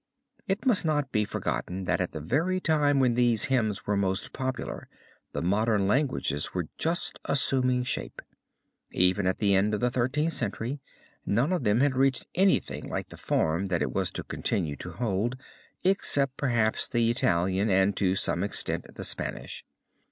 It must not be forgotten that at the very time when these hymns were most popular the modern languages were just assuming shape. Even at the end of the Thirteenth Century none of them had reached anything like the form that it was to continue to hold, except perhaps the Italian and to some extent the Spanish.